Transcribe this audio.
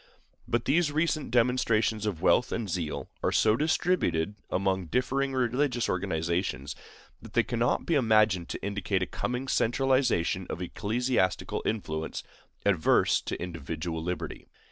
But these recent demonstrations of wealth and zeal are so distributed among differing religious organizations that they cannot be imagined to indicate a coming centralization of ecclesiastical influence adverse to individual liberty.